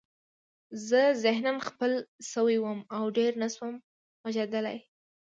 زه ذهناً ځپل شوی وم او ډېر نشوم غږېدلی